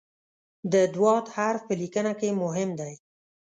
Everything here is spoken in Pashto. د "ض" حرف په لیکنه کې مهم دی.